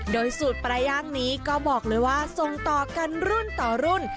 โดยสูตรปลาย่างนี้ก็บอกเลยว่าส่งต่อกันรุ่นต่อรุ่น